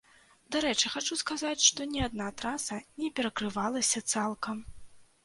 Дарэчы, хачу сказаць, што ні адна траса не перакрывалася цалкам.